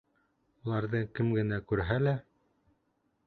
Уларҙы кем генә күрһә лә: